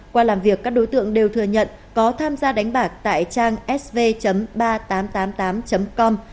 qua làm việc các đối tượng đều thừa nhận có tham gia đánh bạc tại trang sv ba nghìn tám trăm tám mươi tám com